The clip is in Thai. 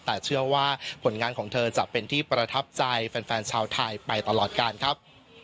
แต่เชื่อว่าผลงานของเธอจะเป็นที่ประทับใจแฟนชาวไทยไปตลอดการครับ